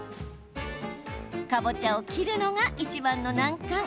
かぼちゃを切るのがいちばんの難関。